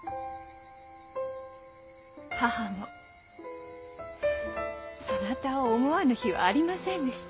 母もそなたを思わぬ日はありませんでした。